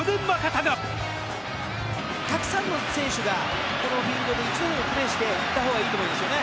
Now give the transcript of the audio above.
たくさんの選手がこのフィールドで一度にプレーしていったほうがいいと思いますね。